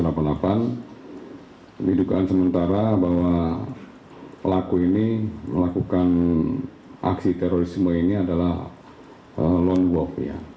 ini dugaan sementara bahwa pelaku ini melakukan aksi terorisme ini adalah lone wolf